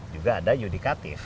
juga ada yudikatif